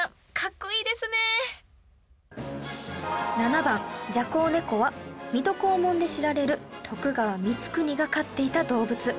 ７番ジャコウネコは水戸黄門で知られる徳川光圀が飼っていた動物